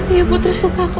ya putri suka kok